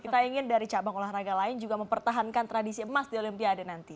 kita ingin dari cabang olahraga lain juga mempertahankan tradisi emas di olimpiade nanti